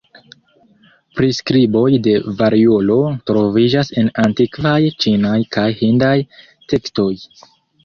Priskriboj de variolo troviĝas en antikvaj ĉinaj kaj hindaj tekstoj.